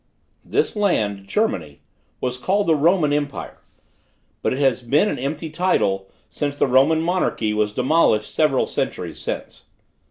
_""This land (Germany) was called the Roman empire; but it has been an empty title, since the Roman monarchy was demolished several centuries since.